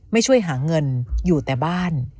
ช่วยหาเงินอยู่แต่บ้าน